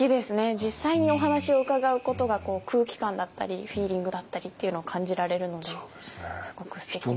実際にお話を伺うことが空気感だったりフィーリングだったりっていうのを感じられるのですごくすてきな。